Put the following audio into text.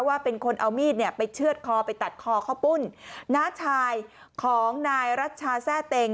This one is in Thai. ว่าเป็นคนเอามีดเนี่ยไปเชื่อดคอไปตัดคอข้าวปุ้นน้าชายของนายรัชชาแทร่เต็ง